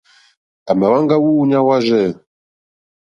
À mà hwáŋgá wûɲá wárzɛ̂.